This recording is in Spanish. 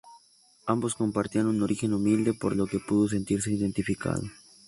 Ambos compartían un origen humilde por lo que pudo sentirse identificado.